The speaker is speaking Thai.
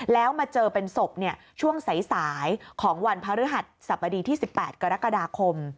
แล้วมาเจอเป็นศพช่วงสายของวันพระฤหัสสบดีที่๑๘กรกฎาคม